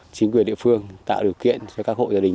chính quyền địa phương tạo điều kiện cho các hộ gia đình